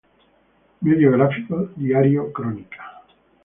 Medio gráfico: Diario Crónica.